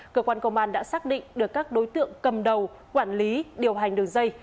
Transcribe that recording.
cơ quan công an đã xác định được các đối tượng cầm đầu quản lý điều hành đường dây